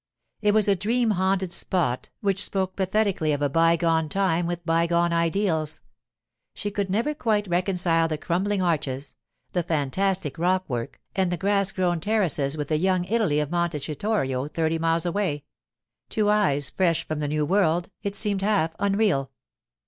It was a dream haunted spot which spoke pathetically of a bygone time with bygone ideals. She could never quite reconcile the crumbling arches, the fantastic rock work, and the grass grown terraces with the 'Young Italy' of Monte Citorio thirty miles away. To eyes fresh from the New World it seemed half unreal.